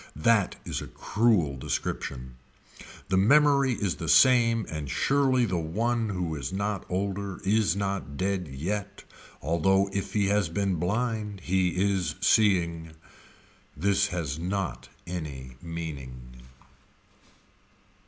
That is a cruel description. The memory is the same and surely the one who is not older is not dead yet although if he has been blind he is seeing. This has not any meaning.